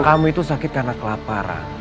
kamu itu sakit karena kelaparan